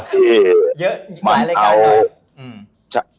ที่มันเอา